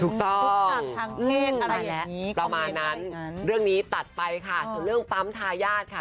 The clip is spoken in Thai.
ถูกต้องประมาณนั้นเรื่องนี้ตัดไปค่ะเรื่องปั๊มทายาทค่ะ